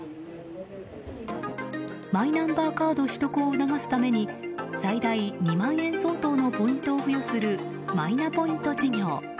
マイナンバーカード取得を促すために最大２万円相当のポイントを付与するマイナポイント事業。